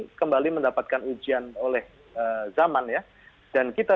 stamper points ini yang baik seperti jandosta